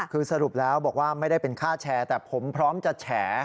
คือสรุปแล้วบอกว่าไม่ได้เป็นค่าแชร์แต่ผมพร้อมจะแฉ